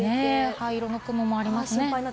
灰色の雲もありますね。